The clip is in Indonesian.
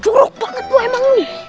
juruk banget gua emang ini